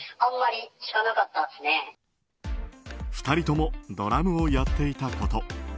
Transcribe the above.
２人ともドラムをやっていたこと